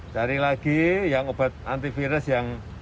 cari lagi yang obat antivirus yang